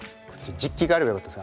実機があればよかったです。